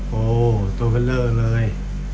โหตัวเวลาเลย